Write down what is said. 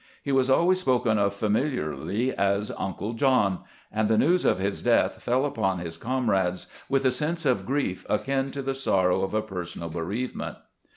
He was always spoken of familiarly as " Uncle John," and the news of his death feU upon his comrades with a sense of grief akin to the sorrow of a personal bereave ment.